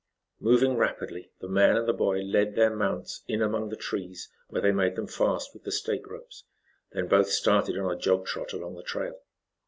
Moving rapidly, the man and the boy, led their mounts in among the trees, where they made them fast with the stake ropes. Then both started on a jog trot along the trail.